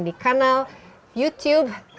di kanal youtube